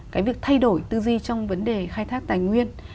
cái việc thay đổi tư duy trong vấn đề khai thác tài nguyên